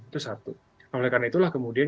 itu satu oleh karena itulah kemudian